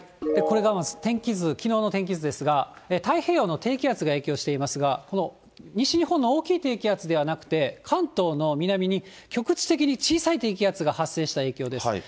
これがまず天気図、きのうの天気図ですが、太平洋の低気圧が影響していますが、この西日本の大きい低気圧ではなくて、関東の南に局地的に小さい低気圧が発生した影響です。